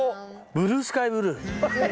ブルースカイブルー。